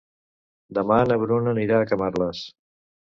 Demà na Bruna anirà a Camarles.